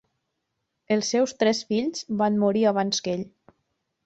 Els seus tres fills van morir abans que ell.